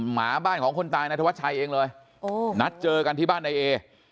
หมาบ้านของคนตายนายธวัชชัยเองเลยนัดเจอกันที่บ้านนายเอ